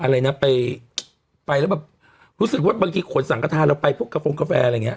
แล้วแบบรู้สึกว่าบางทีขนสั่งกระทานแล้วไปพวกกระโฟงกาแฟอะไรอย่างเงี้ย